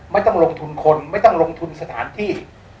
ไม่ต้องลงทุนคนไม่ต้องลงทุนสถานที่